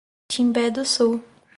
Timbé do Sul